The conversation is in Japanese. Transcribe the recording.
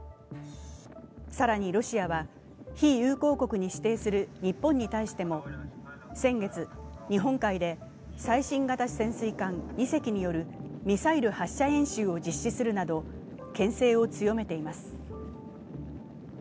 更にロシアは非友好国に指定する日本に対しても先月、日本海で最新型潜水艦２隻によるミサイル発射演習を実施するなどけん制を強めています。